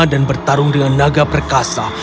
dan bertarung dengan naga perkasa